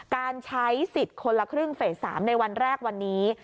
การใช้สิทธิ์คนละครึ่งเฟส๓ในวันแรกวันนี้